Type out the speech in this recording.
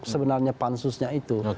sebenarnya pansusnya itu